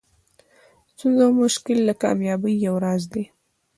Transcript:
ستونزه او مشکل د کامیابۍ یو راز دئ.